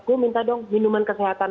aku minta dong minuman kesehatan